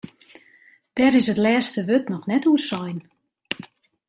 Dêr is it lêste wurd noch net oer sein.